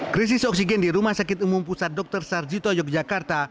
krisis oksigen di rumah sakit umum pusat dr sarjito yogyakarta